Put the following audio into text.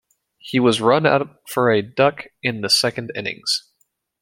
He was run out for a duck in the second innings.